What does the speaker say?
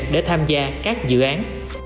để tham gia các dự án